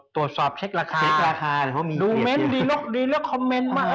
ตรวจสอบเช็คราคาดูเม้นต์ดีลองดีเลือกคอมเมนต์มา